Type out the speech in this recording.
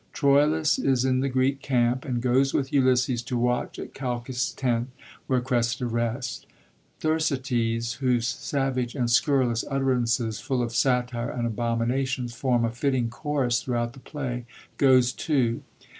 Troilus is in the Greek camp, and goes with Ulysses to watch at Oalchas' tent, where Oressida rests. Thersites, whose savage and scurrilous utterances, full of satire and abominations, form a fitting chorus throughout the play, goes too.